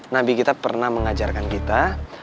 nabi kita pernah mengajarkan kita